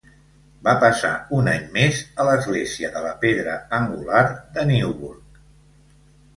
Va passar un any més a l'església de la pedra angular de Newburgh.